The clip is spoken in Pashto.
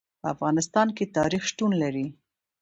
په افغانستان کې تاریخ شتون لري.